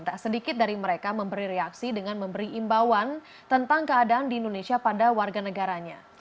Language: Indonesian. tak sedikit dari mereka memberi reaksi dengan memberi imbauan tentang keadaan di indonesia pada warga negaranya